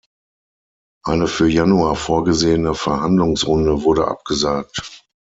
Eine für Januar vorgesehene Verhandlungsrunde wurde abgesagt.